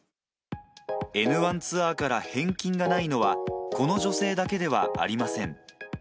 エヌワンツアーから返金がないのは、この女性だけではありません。